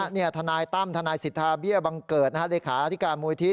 เนี่ยทนายตั้มทนายสิทธาเบี้ยวบังเกิดนะฮะเดรคาอธิการมูลอิทธิศ